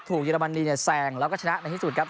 ถูกเยอรมนีแซงแล้วก็ชนะในที่สุดครับ